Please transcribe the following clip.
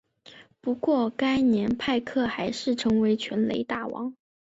不过该年派克还是成为全垒打王。